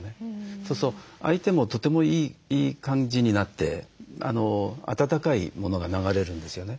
そうすると相手もとてもいい感じになって温かいものが流れるんですよね。